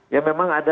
ya memang ada